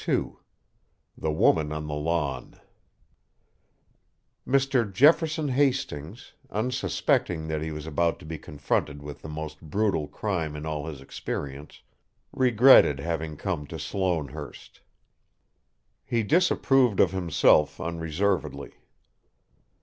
II THE WOMAN ON THE LAWN Mr. Jefferson Hastings, unsuspecting that he was about to be confronted with the most brutal crime in all his experience, regretted having come to "Sloanehurst." He disapproved of himself unreservedly.